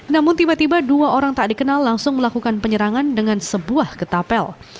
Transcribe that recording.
namun tiba tiba dua orang tak dikenal langsung melakukan penyerangan dengan sebuah getapel